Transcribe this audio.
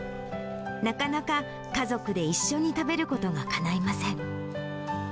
なかなか家族で一緒に食べることがかないません。